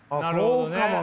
そうかもね。